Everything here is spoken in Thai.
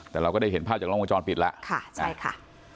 แต่เราก็ได้เห็นภาพจากล้องวงจรปิดแล้วค่ะใช่ค่ะ